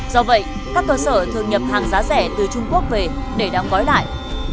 do vậy các cơ sở thường nhập hàng giá rẻ từ trung quốc về để đóng gói lại